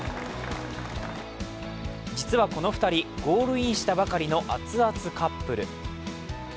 実はこの２人、ゴールインしたばかりのアツアツカップル。